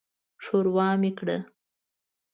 ښوروا مې کړه.